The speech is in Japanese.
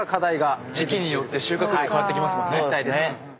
時季によって収穫量変わってきますもんね。